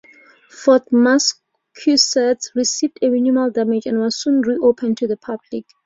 Fort Massachusetts received minimal damage and was soon reopened to the public.